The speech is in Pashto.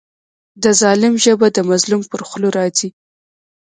د ظالم ژبه د مظلوم پر خوله راځي.